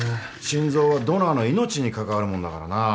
心臓はドナーの命に関わるもんだからな。